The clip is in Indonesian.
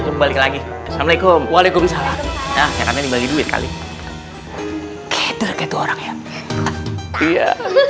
lagi assalamualaikum waalaikumsalam ya karena dibagi duit kali keter gitu orangnya iya